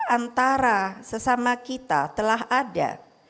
antara sesama kita telah ada